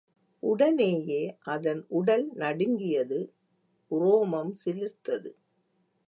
உடனேயே, அதன் உடல் நடுங்கியது உரோமம் சிலிர்த்தது.